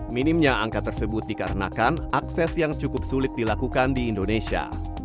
minimnya angka tersebut dikarenakan akses yang cukup sulit dilakukan di indonesia